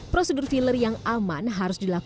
prosedur filler yang aman harus dilakukan